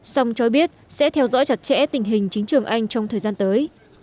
song cho biết sẽ theo dõi chặt chẽ tình hình chính trường anh trong thời gian tới